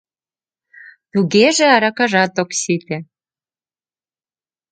Тугеже аракажат ок сите...